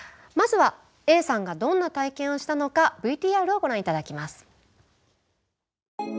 まずはＡさんがどんな体験をしたのかＶＴＲをご覧いただきます。